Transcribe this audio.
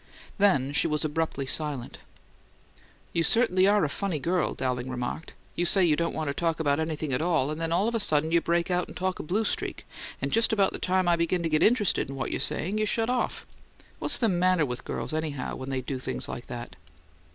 Then she was abruptly silent. "You certainly are a funny girl," Dowling remarked. "You say you don't want to talk about anything at all, and all of a sudden you break out and talk a blue streak; and just about the time I begin to get interested in what you're saying you shut off! What's the matter with girls, anyhow, when they do things like that?"